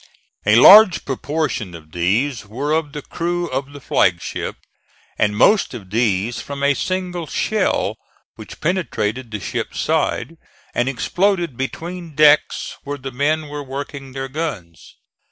A large proportion of these were of the crew of the flagship, and most of those from a single shell which penetrated the ship's side and exploded between decks where the men were working their guns.